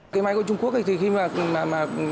cái máy của trung quốc thì khi mà